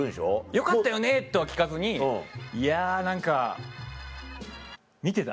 「よかったよね？」とは聞かずに「いや何か見てた？」